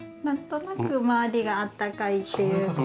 なんとなく周りがあったかいっていう